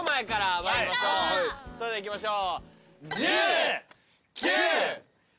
それではいきましょう。